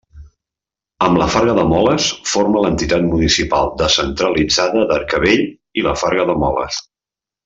Amb la Farga de Moles forma l'entitat municipal descentralitzada d'Arcavell i la Farga de Moles.